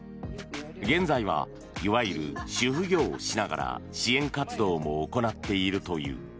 現在はいわゆる主夫業をしながら支援活動も行っているという。